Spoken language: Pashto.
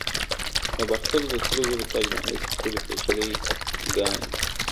د باختر سرو زرو تاج د نړۍ تر ټولو پیچلي ګاڼې دي